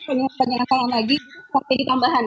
pengen pengen yang sama lagi sampai ditambahkan